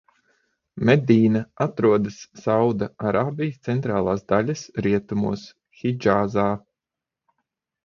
Medīna atrodas Saūda Arābijas centrālās daļas rietumos, Hidžāzā.